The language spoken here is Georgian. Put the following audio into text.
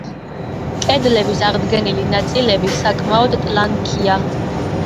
კედლების აღდგენილი ნაწილები საკმაოდ ტლანქია.